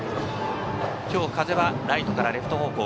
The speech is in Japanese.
今日、風はライトからレフト方向。